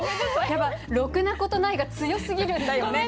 やっぱ「ろくなことない」が強すぎるんだよね。